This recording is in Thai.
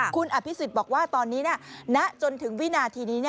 คุณอภิษฎบอกว่าตอนนี้ณจนถึงวินาทีนี้